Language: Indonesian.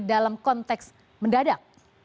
dalam konteks mendadak